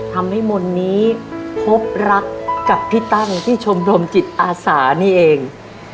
ทำให้มนต์นี้พบรักกับพี่ตั้งที่ชมรมจิตอาสานี่เอง